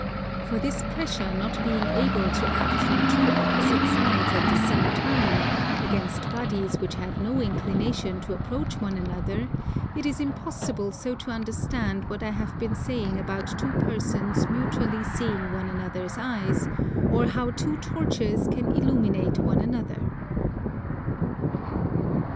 For this pressure not being able to act from two opposite sides at the same time, against bodies which have no inclination to approach one another, it is impossible so to understand what I have been saying about two persons mutually seeing one another's eyes, or how two torches can illuminate one another.